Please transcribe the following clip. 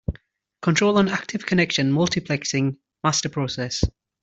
Control an active connection multiplexing master process.